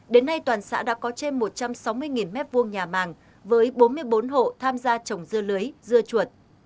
đến nay toàn xã đã có trên một trăm sáu mươi m hai nhà màng với bốn mươi bốn hộ tham gia trồng dưa lưới dưa chuột